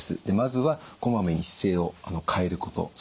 でまずはこまめに姿勢を変えること。